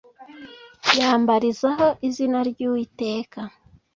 yambarizaho izina ry uwiteka